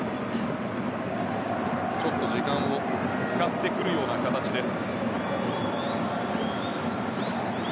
時間を使ってくるような形です。